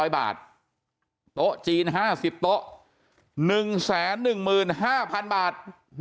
๑๕๙๐๐บาทโต๊ะจีน๕๐โต๊ะหนึ่งแสนหนึ่งหมื่นห้าพันบาท